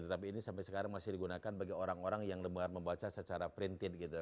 tetapi ini sampai sekarang masih digunakan bagi orang orang yang lemah membaca secara printit gitu